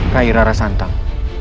rai rara santang